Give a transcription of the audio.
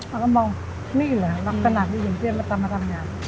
มันก็มองนี่ละรับกระหนักที่เข้าจมเตียนว่าตั้งมาทำงาน